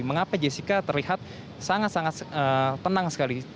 mengapa jessica terlihat sangat sangat tenang sekali